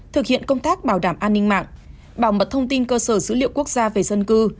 thực hiện công tác bảo đảm an ninh mạng bảo mật thông tin cơ sở dữ liệu quốc gia về dân cư